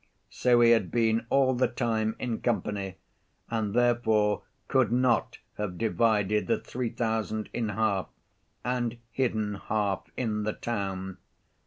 So he had been all the time in company and therefore could not have divided the three thousand in half and hidden half in the town.